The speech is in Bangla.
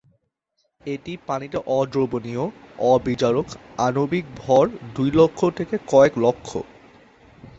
এটি পানিতে অদ্রবণীয়, অবিজারক, আণবিক ভর দুই লক্ষ থেকে কয়েক লক্ষ।